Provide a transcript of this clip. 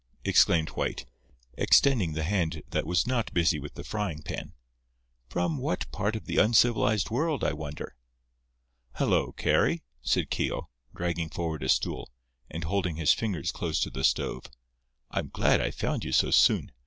exclaimed White, extending the hand that was not busy with the frying pan. "From what part of the uncivilized world, I wonder!" "Hello, Carry," said Keogh, dragging forward a stool, and holding his fingers close to the stove. "I'm glad I found you so soon.